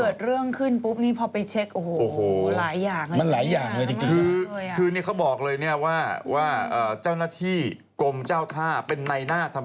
ได้การตรวจสอบ